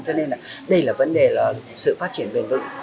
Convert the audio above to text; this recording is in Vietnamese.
cho nên đây là vấn đề sự phát triển bền vững